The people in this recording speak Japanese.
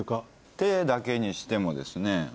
手だけにしてもですね